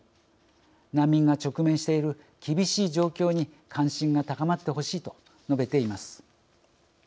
難民が直面している厳しい状況に関心が高まってほしい」と述べています。